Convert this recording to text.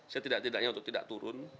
setidak tidaknya untuk tidak turun